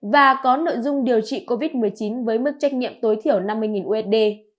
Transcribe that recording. và có nội dung điều trị covid một mươi chín với mức trách nhiệm tối thiểu năm mươi usd